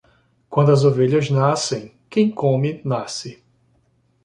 Quando as ovelhas nascem, quem come, nasce.